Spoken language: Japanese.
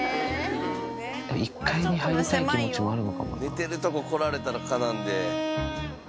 寝てるとこ来られたらかなわんで。